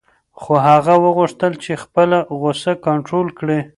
خو هغه وغوښتل چې خپله غوسه کنټرول کړي.